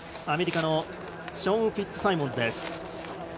アメリカのショーン・フィッツサイモンズ。